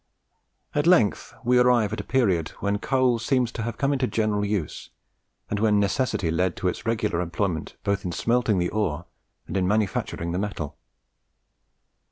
At length we arrive at a period when coal seems to have come into general use, and when necessity led to its regular employment both in smelting the ore and in manufacturing the metal.